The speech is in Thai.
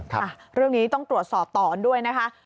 เรื่องนี้ต้องตรวจสอบต่อด้วยนะคะ